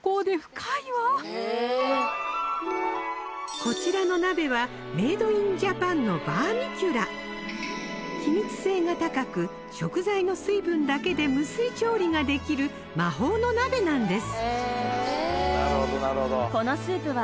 こちらの鍋はメイドインジャパンのバーミキュラ気密性が高く食材の水分だけで無水調理ができる魔法の鍋なんです